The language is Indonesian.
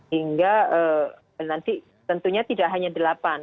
hingga nanti tentunya tidak hanya delapan